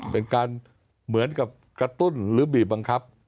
เป็นการเหมือนกับกระตุ้นหรือบีบบังคับ